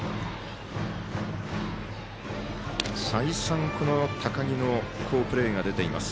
再三、この高木の好プレーが出ています。